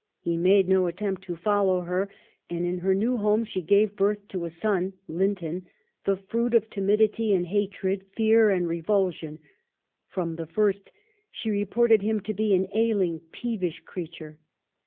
He made no attempt to follow her, and in her new home she gave birth to a son, Linton — the fruit of timidity and hatred, fear and revulsion — "from the first she reported him to be an ailing, peevish creature."